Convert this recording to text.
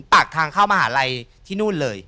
ปากทางเข้ามหาลัยที่นู่นเลย